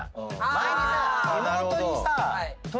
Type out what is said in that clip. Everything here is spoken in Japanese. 前にさ。